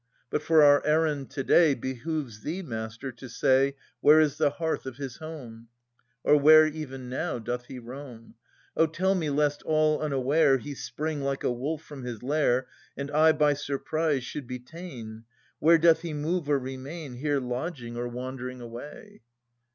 But for our errand to day Behoves thee, master, to say Where is the hearth of his home ; Or where even now doth he roam ? O tell me, lest all unaware He spring like a wolf from his lair And I by surprise should be ta'en. Where doth he move or remain. Here lodging, or wandering away